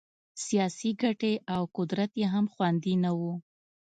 سیاسي ګټې او قدرت یې هم خوندي نه وو.